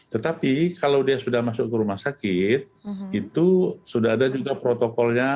tetapi kalau dia sudah masuk ke rumah sakit itu sudah ada juga protokolnya